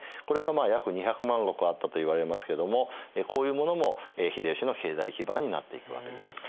これがまあ約２００万石あったといわれますけどもこういうものも秀吉の経済基盤になっていくわけです。